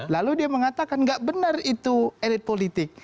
lalu dia mengatakan gak benar itu elit politik